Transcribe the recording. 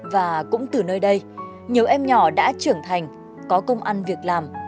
và cũng từ nơi đây nhiều em nhỏ đã trưởng thành có công ăn việc làm